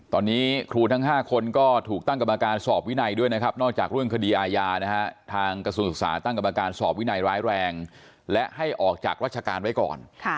ตอนนี้ครูทั้ง๕คนก็ถูกตั้งกรรมการสอบวินัยด้วยนะครับนอกจากเรื่องคดีอาญานะฮะทางกระทรวงศึกษาตั้งกรรมการสอบวินัยร้ายแรงและให้ออกจากราชการไว้ก่อน